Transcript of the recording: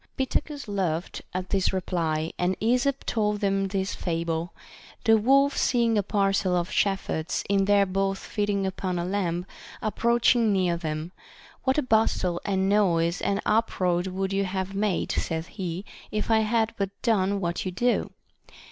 Pittacus laughed at this reply, and Esop told them this fable : The wolf seeing a parcel of shepherds in their booth feeding upon a lamb, approaching near them, — What a bustle and noise and uproar would you have made, saith he, if I had but done what you do